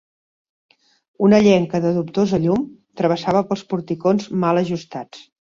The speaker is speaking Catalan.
Una llenca de dubtosa llum travessava pels porticons mal ajustats.